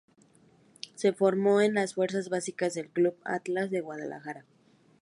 Se formó en las fuerzas básicas del Club Atlas de Guadalajara.